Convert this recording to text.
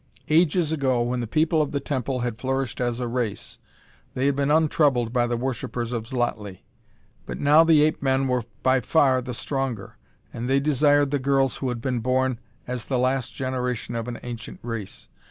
Ages ago, when the People of the Temple had flourished as a race, they had been untroubled by the Worshippers of Xlotli. But now the ape men were by far the stronger; and they desired the girls who had been born as the last generation of an ancient race.